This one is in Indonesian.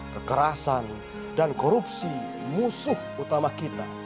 kekerasan dan korupsi musuh utama kita